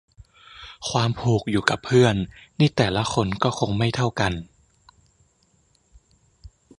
ความผูกอยู่กับเพื่อนนี่แต่ละคนก็คงไม่เท่ากัน